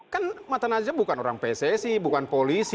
kan mata najwa bukan orang pc sih bukan polisi